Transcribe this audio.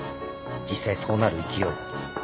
実際そうなる勢い。